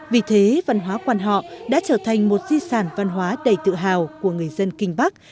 vì thế văn hóa quan họ đã trở thành một di sản văn hóa đầy tự hào của người dân kinh bắc